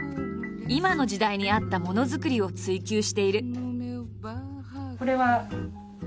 今の時代に合ったものづくりを追求している。